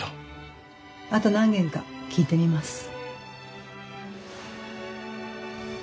あと何軒か聞いてみます。